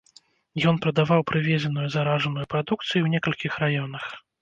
Ён прадаваў прывезеную заражаную прадукцыю ў некалькіх раёнах.